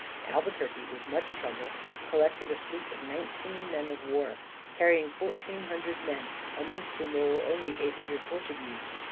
Albuquerque with much trouble collected a fleet of nineteen men of war, carrying fourteen hundred men, amongst whom there were only eight hundred Portuguese.